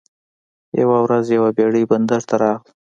یوه ورځ یوه بیړۍ بندر ته راغله.